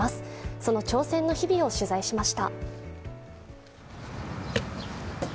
その挑戦の日々を取材しました。